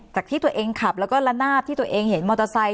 จากที่ตัวเองขับแล้วก็ละนาบที่ตัวเองเห็นมอเตอร์ไซค